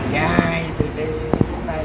chủ yếu là xe ở đâu